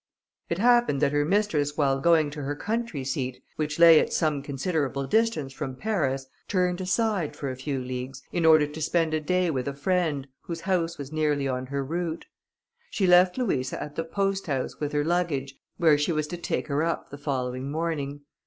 It happened that her mistress while going to her country seat, which lay at some considerable distance from Paris, turned aside, for a few leagues, in order to spend a day with a friend, whose house was nearly on her route. She left Louisa at the post house, with her luggage, where she was to take her up the following morning.